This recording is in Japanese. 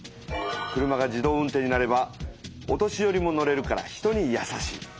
車が自動運転になればお年よりも乗れるから人にやさしい。